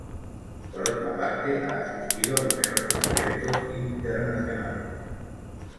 Por otra parte, ha asistido a numerosos eventos internacionales.